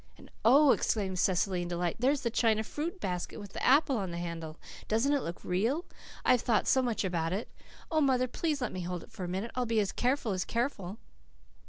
"And oh," exclaimed Cecily in delight, "there's the china fruit basket with the apple on the handle. Doesn't it look real? I've thought so much about it. Oh, mother, please let me hold it for a minute. I'll be as careful as careful."